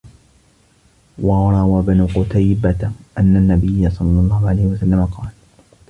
وَرَوَى ابْنُ قُتَيْبَةَ أَنَّ النَّبِيَّ صَلَّى اللَّهُ عَلَيْهِ وَسَلَّمَ قَالَ